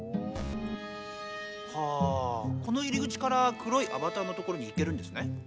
はあこの入り口から黒いアバターのところに行けるんですね。